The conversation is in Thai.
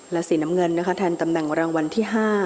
และสีน้ำเงินนะคะแทนตำแหน่งรางวัลที่๕